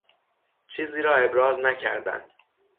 چیزی را ابراز نکردن